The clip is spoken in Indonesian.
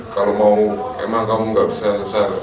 kalau mau emang kamu nggak bisa asal